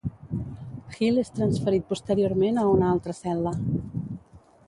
Hill és transferit posteriorment a una altra cel·la.